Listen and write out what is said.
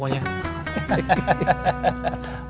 masukin dulu bro dompetnya